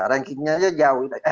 rankingnya aja jauh